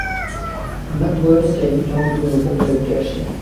আমার বই অনুযায়ী, জন্তুগুলো উপকূলে উঠে আসে।